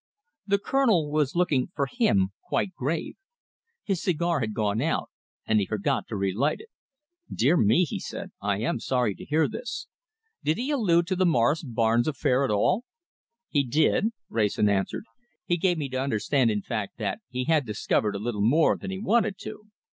The Colonel was looking, for him, quite grave. His cigar had gone out, and he forgot to relight it. "Dear me," he said, "I am sorry to hear this. Did he allude to the Morris Barnes affair at all?" "He did," Wrayson answered. "He gave me to understand, in fact, that he had discovered a little more than he wanted to."